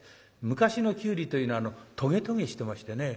昔のきゅうりというのはトゲトゲしてましてね